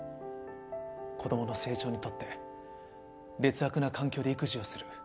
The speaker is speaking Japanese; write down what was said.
子どもの成長にとって劣悪な環境で育児をする。